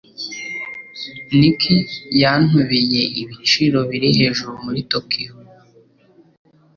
Nick yantobeye ibiciro biri hejuru muri Tokiyo.